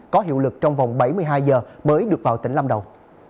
có hiệu lực trong vòng bảy mươi hai giờ mới được vào tỉnh lâm đồng